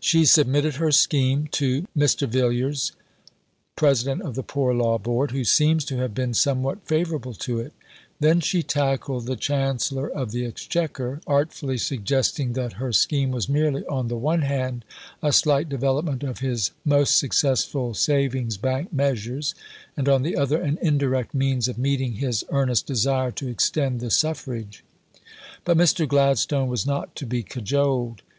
She submitted her scheme to Mr. Villiers, President of the Poor Law Board, who seems to have been somewhat favourable to it. Then she tackled the Chancellor of the Exchequer, artfully suggesting that her scheme was merely, on the one hand, a slight development of his "most successful Savings Bank measures," and, on the other, an indirect means of meeting his earnest desire to extend the suffrage. But Mr. Gladstone was not to be cajoled.